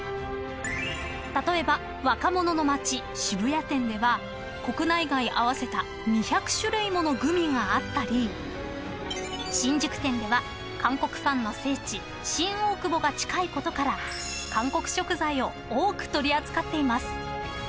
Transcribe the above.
［例えば若者の街渋谷店では国内外合わせた２００種類ものグミがあったり新宿店では韓国ファンの聖地新大久保が近いことから韓国食材を多く取り扱っています］